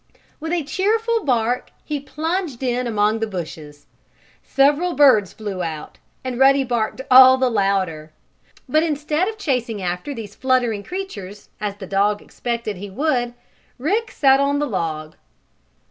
With a cheerful bark, he plunged in among the bushes. Several birds flew out, and Ruddy barked all the louder. But instead of chasing after these fluttering creatures, as the dog expected he would, Rick sat on the log.